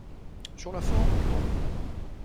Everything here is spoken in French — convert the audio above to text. Sur la forme, non.